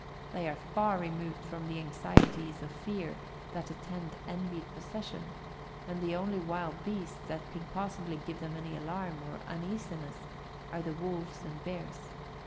They are far removed from the anxieties of fear that attend envied possession; and the only wild beasts that could possibly give them any alarm or uneasiness are the wolves and bears.